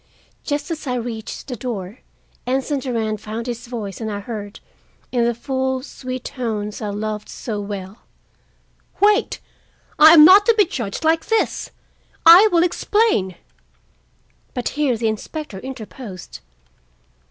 Just as I reached the door, Anson Durand found his voice and I heard, in the full, sweet tones I loved so well: "Wait I am not to be judged like this. I will explain!" But here the inspector interposed.